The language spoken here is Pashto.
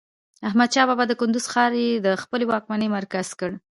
احمدشاه بابا د کندهار ښار يي د خپلې واکمنۍ مرکز کړ.